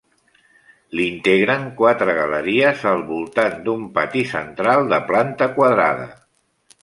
L'integren quatre galeries al voltant d'un pati central de planta quadrada.